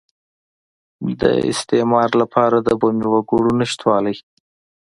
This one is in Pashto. د استثمار لپاره د بومي وګړو نشتوالی.